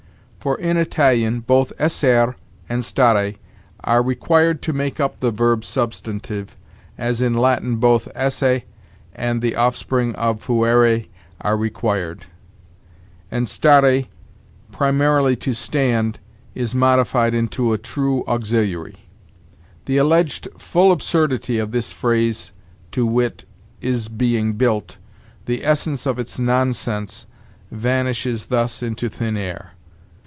For in Italian both essere and stare are required to make up the verb substantive, as in Latin both esse and the offspring of fuere are required; and stare, primarily 'to stand,' is modified into a true auxiliary. The alleged 'full absurdity of this phrase,' to wit, is being built, 'the essence of its nonsense,' vanishes thus into thin air.